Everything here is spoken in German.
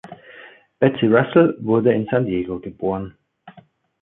Betsy Russell wurde in San Diego geboren.